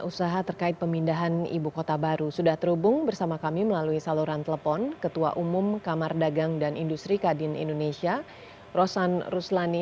usaha terkait pemindahan ibu kota baru sudah terhubung bersama kami melalui saluran telepon ketua umum kamar dagang dan industri kadin indonesia rosan ruslani